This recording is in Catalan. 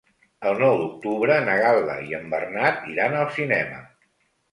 El nou d'octubre na Gal·la i en Bernat iran al cinema.